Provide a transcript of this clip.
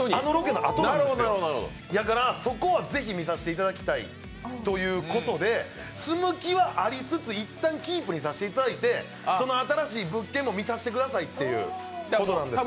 そこはぜひ見させていただきたいということで、住む気はありつつ、いったんキープにさせていただいてその新しい物件も見させてくださいということなんです。